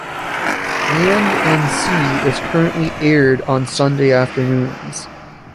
"Land and Sea" is currently aired on Sunday afternoons.